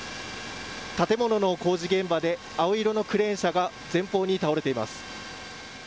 建物の工事現場で青色のクレーン車が前方に倒れています。